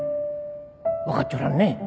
分かっちょらんね。